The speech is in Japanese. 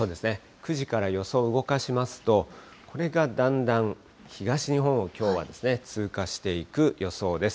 ９時から予想を動かしますと、これがだんだん東日本をきょうは通過していく予想です。